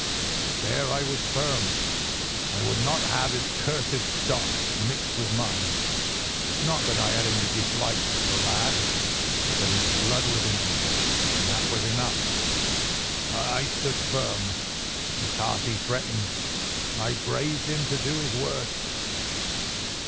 But there I was firm. I would not have his cursed stock mixed with mine; not that I had any dislike to the lad, but his blood was in him, and that was enough. I stood firm. McCarthy threatened. I braved him to do his worst.